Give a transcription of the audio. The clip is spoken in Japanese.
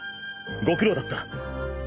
ご苦労だった。